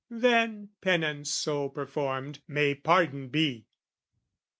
"Then, penance so performed, may pardon be!"